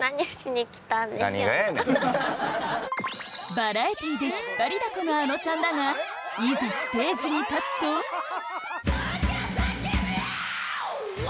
バラエティーで引っ張りだこのあのちゃんだがいざステージに立つとａｎｏ：東京叫べよー！